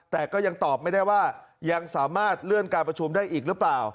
แต่ก็ยังตอบไม่ได้ว่ายังสามารถเลื่อนการประชุมได้อีกหรือเปล่า